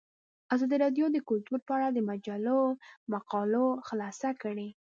ازادي راډیو د کلتور په اړه د مجلو مقالو خلاصه کړې.